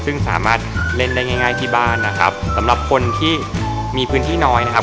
ซึ่งสามารถเล่นได้ง่ายง่ายที่บ้านนะครับสำหรับคนที่มีพื้นที่น้อยนะครับ